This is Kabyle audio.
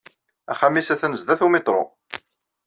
Axxam-nnes atan sdat umiṭru.